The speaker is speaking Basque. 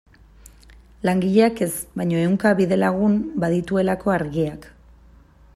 Langileak ez, baina ehunka bidelagun badituelako Argiak.